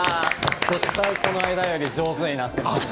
この間より上手になってますね。